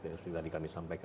yang tadi kami sampaikan